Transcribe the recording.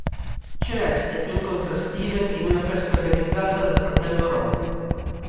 Celeste incontra Steven in una festa organizzata dal fratello Ron.